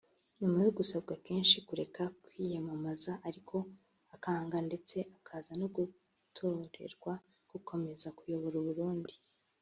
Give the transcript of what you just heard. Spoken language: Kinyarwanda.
nyuma yo gusabwa kenshi kureka kwiyamamaza ariko akanga ndetse akaza no gutorerwa gukomeza kuyobora u Burundi